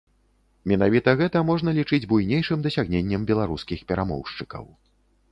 Менавіта гэта можна лічыць буйнейшым дасягненнем беларускіх перамоўшчыкаў.